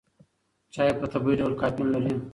چای په طبیعي ډول کافین لري.